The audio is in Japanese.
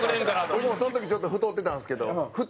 俺もその時ちょっと太ってたんですけど太